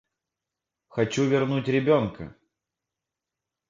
Хочу вернуть ребенка.